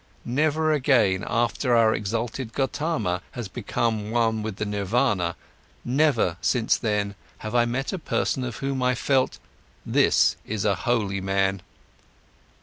Never again, after our exalted Gotama has become one with the Nirvana, never since then have I met a person of whom I felt: this is a holy man!